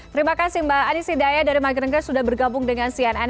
terima kasih mbak aniesi daya dari magi negeri sudah bergabung dengan cnn